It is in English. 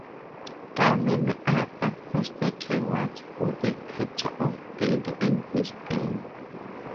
Governor Arthur posted rewards for the capture of Brady and his gang.